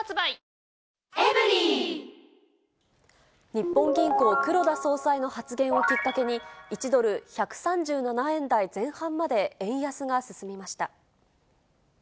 日本銀行、黒田総裁の発言をきっかけに、１ドル１３７円台前半まで円安が進みました。